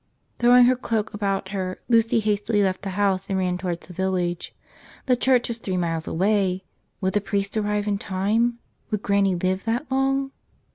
Throwing her cloak about her, Lucy hastily left the house and ran towards the village. The church was three miles away. Would the priest arrive in time? Would Granny live that long?